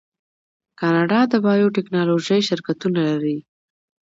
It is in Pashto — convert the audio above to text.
کاناډا د بایو ټیکنالوژۍ شرکتونه لري.